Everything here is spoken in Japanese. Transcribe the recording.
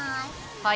はい。